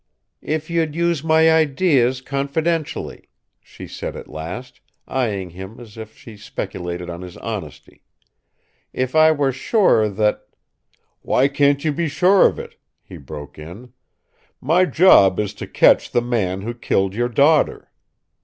"If you'd use my ideas confidentially," she said at last, eying him as if she speculated on his honesty; "if I were sure that " "Why can't you be sure of it?" he broke in. "My job is to catch the man who killed your daughter.